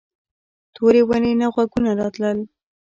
تورې ونې نه غږونه راتلل.